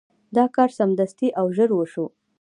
دا کار سمدستي او ژر وشو.